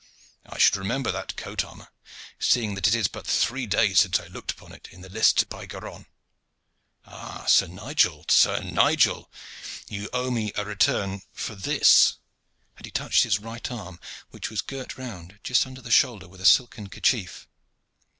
I should remember that coat armor, seeing that it is but three days since I looked upon it in the lists by Garonne. Ah! Sir Nigel, Sir Nigel! you owe me a return for this," and he touched his right arm, which was girt round just under the shoulder with a silken kerchief.